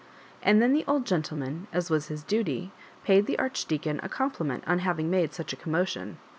And then the old gentleman, as was his duty, paid the Ardi deacon a compliment on having made such a commotion.